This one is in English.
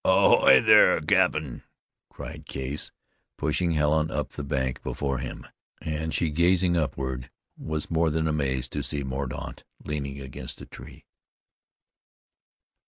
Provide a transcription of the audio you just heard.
"Ahoy! there, cap'n," cried Case, pushing Helen up the bank before him, and she, gazing upward, was more than amazed to see Mordaunt leaning against a tree.